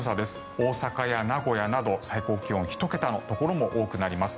大阪や名古屋など最高気温１桁のところも多くなります。